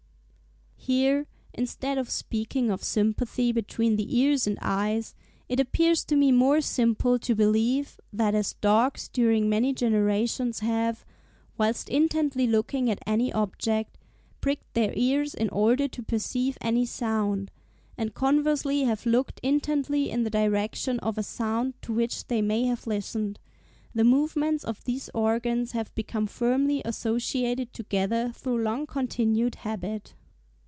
Here, instead of speaking of sympathy between the ears and eyes, it appears to me more simple to believe, that as dogs during many generations have, whilst intently looking at any object, pricked their ears in order to perceive any sound; and conversely have looked intently in the direction of a sound to which they may have listened, the movements of these organs have become firmly associated together through long continued habit.